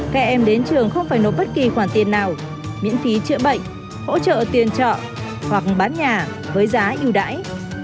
kẻ em đến trường không phải nộp bất kỳ khoản tiền nào miễn phí trợ bệnh hỗ trợ tiền trọ hoặc bán nhà với giá yếu đải